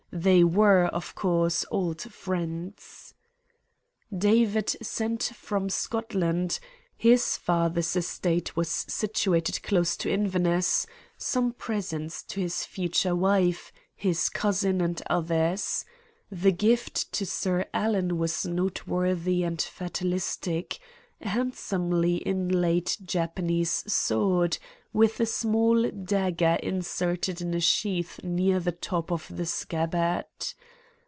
They were, of course, old friends. "David sent from Scotland his father's estate was situated close to Inverness some presents to his future wife, his cousin, and others. The gift to Sir Alan was noteworthy and fatalistic a handsomely inlaid Japanese sword, with a small dagger inserted in a sheath near the top of the scabbard.